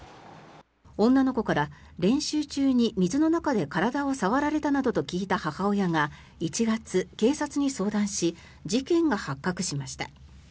女の子から練習中に水の中で体を触られたなどと聞いた母親が１月、警察に相談し事件が発覚しました。